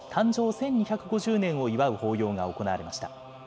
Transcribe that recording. １２５０年を祝う法要が行われました。